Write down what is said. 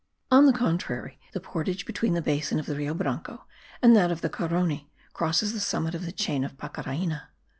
On the contrary, the portage between the basin of the Rio Branco and that of the Carony crosses the summit of the chain of Pacaraina.